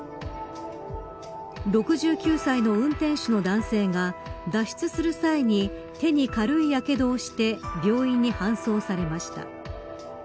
６９歳の運転手の男性が脱出する際に手に軽いやけどをして病院に搬送されました。